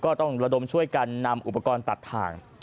ก็ต้องระดมช่วยกันนำอุปกรณ์ตัดทาง